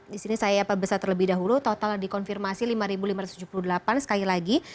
di sini saya perbesar terlebih dahulu total dikonfirmasi lima lima ratus tujuh puluh delapan sekali lagi